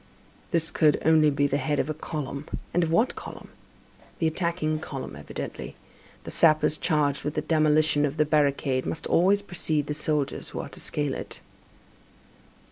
This could only be the head of a column; and of what column? The attacking column, evidently; the sappers charged with the demolition of the barricade must always precede the soldiers who are to scale it.